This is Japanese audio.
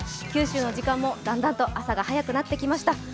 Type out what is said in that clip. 九州の時間もだんだんと朝が早くなってきました。